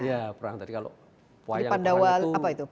ya perang tadi kalau wayang perang itu